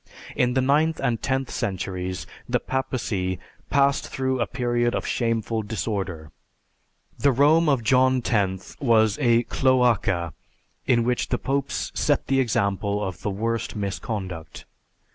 "In the ninth and tenth centuries the papacy passed through a period of shameful disorder. The Rome of John X was a cloaca in which the Popes set the example of the worst misconduct."